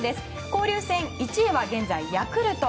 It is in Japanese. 交流戦１位は現在、ヤクルト。